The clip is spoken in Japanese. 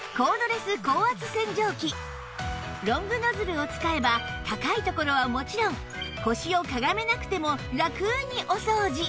ロングノズルを使えば高い所はもちろん腰をかがめなくてもラクにお掃除